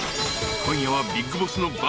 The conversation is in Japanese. ［今夜は］